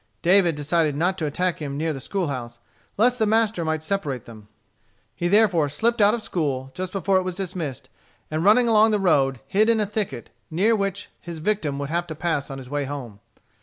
David decided not to attack him near the school house, lest the master might separate them. He therefore slipped out of school, just before it was dismissed, and running along the road, hid in a thicket, near which his victim would have to pass on his way home.